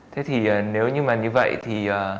thế thì nếu như như vậy thì